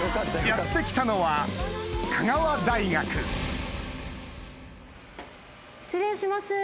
やって来たのは失礼します。